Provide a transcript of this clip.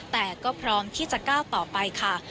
แต่ก็พร้อมที่จะก้าวต่อไปค่ะ